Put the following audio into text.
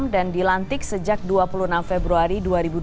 dan dilantik sejak dua puluh enam februari dua ribu dua puluh satu